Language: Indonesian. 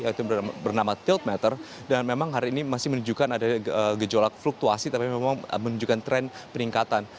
yaitu bernama tilt meter dan memang hari ini masih menunjukkan ada gejolak fluktuasi tapi memang menunjukkan tren peningkatan